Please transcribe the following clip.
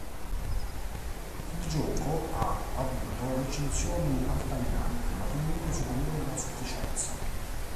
Il gioco ha avuto recensioni altalenanti, ma comunque superiori alla sufficienza.